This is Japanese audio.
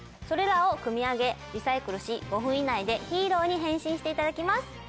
それらを組み上げリサイクルし５分以内でヒーローに変身していただきます。